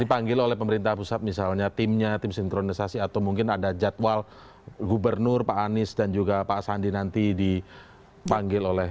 dipanggil oleh pemerintah pusat misalnya timnya tim sinkronisasi atau mungkin ada jadwal gubernur pak anies dan juga pak sandi nanti dipanggil oleh